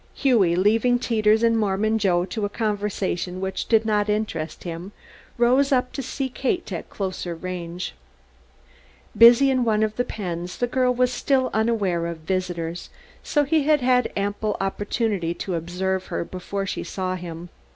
Hughie, leaving Teeters and Mormon Joe to a conversation which did not interest him, rode up to see Kate at closer range. Busy in one of the pens, the girl was still unaware of visitors, so he had had ample opportunity to observe her before she saw him.